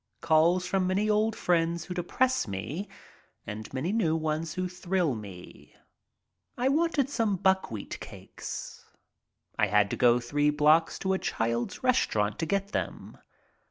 Calls from many old friends who depress me and many new ones who thrill me. I wanted some buckwheat cakes. I had to go three blocks to a Childs' restaurant to get them.